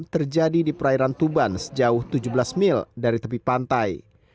terjadi di perairan tuban sejauh tujuh belas mil dari tepi pantai